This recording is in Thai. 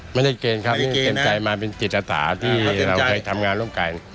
ไม่ได้เกรงครับไม่ได้เกรงนะเกรงใจมาเป็นจิตอสาที่เราเคยทำงานร่วมกัน